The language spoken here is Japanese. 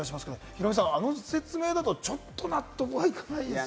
ヒロミさん、あの説明だと、ちょっと納得いかないですよね？